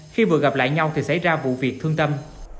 khi vừa gặp lại nhau thì xảy ra vụ việc thương tâm